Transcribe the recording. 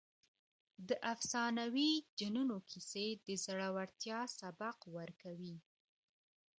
د افسانوي جنونو کیسه د زړورتیا سبق ورکوي.